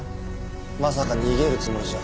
まさか逃げるつもりじゃ。